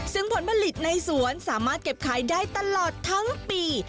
ซึ่งผลผลิตในสวนสามารถเก็บขายได้ตลอดทั้งปี